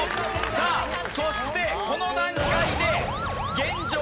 さあそしてこの段階で現状